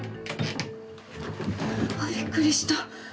びっくりした。